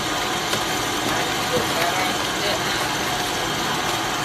من یه پرنده ام